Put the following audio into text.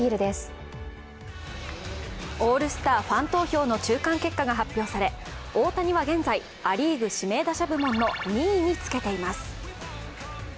ファン投票の中間結果が発表され大谷は現在、ア・リーグ指名打者部門の２位につけています。